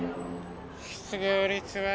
失業率は。